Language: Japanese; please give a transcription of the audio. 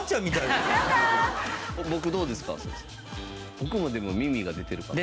僕どうですか？